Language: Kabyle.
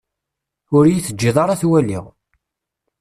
Ur yi-teǧǧiḍ ara ad t-waliɣ.